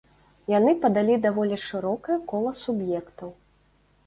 Яны падалі даволі шырокае кола суб'ектаў.